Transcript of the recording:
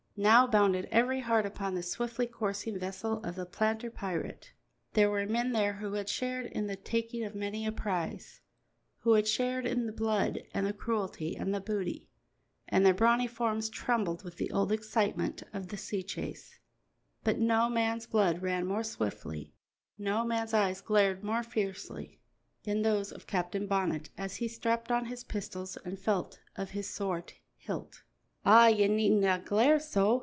Now bounded every heart upon the swiftly coursing vessel of the planter pirate. There were men there who had shared in the taking of many a prize; who had shared in the blood and the cruelty and the booty; and their brawny forms trembled with the old excitement, of the sea chase; but no man's blood ran more swiftly, no man's eyes glared more fiercely, than those of Captain Bonnet as he strapped on his pistols and felt of his sword hilt. "Ah, ye needna glare so!"